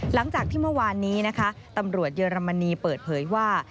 หลังจากที่เมื่อวานนี้นะคะตำรวจเยอรมนีเปิดเผยว่า